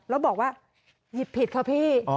แล้วบอกว่าหยิบผิดค่ะพี่